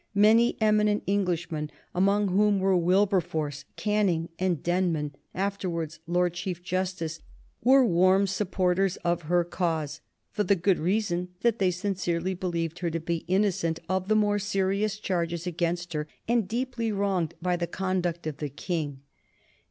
Many eminent Englishmen among whom were Wilberforce, Canning, and Denman, afterwards Lord Chief Justice were were warm supporters of her cause, for the good reason that they sincerely believed her to be innocent of the more serious charges against her and deeply wronged by the conduct of the King.